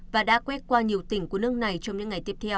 và đã quét qua nhiều tỉnh của nước này trong những ngày tiếp theo